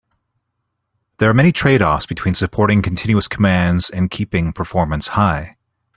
There are many trade-offs between supporting continuous commands and keeping performance high.